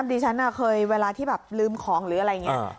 ดิฉันเคยเวลาที่แบบลืมของหรืออะไรอย่างนี้